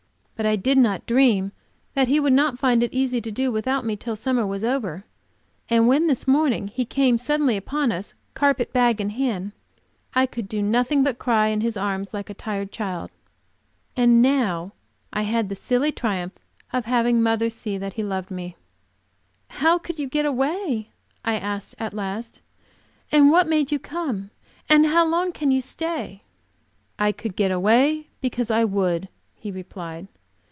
But I did not dream that he would not find it easy to do without me till summer was over, and when, this morning, he came suddenly upon us, carpet bag in hand, I could do nothing but cry in his arms like a tired child. And now I had the silly triumph of having mother see that he loved me! "How could you get away?" I asked at last. "And what made you come? And how long can you stay?" "I could get away because I would," he replied.